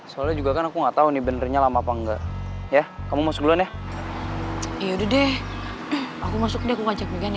soalnya juga kan aku nggak tahu nih benernya lama apa enggak ya kamu masuk zajakgyudode aku taki this girl appliances